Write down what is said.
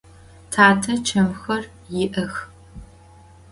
Tate çemxer yi'ex.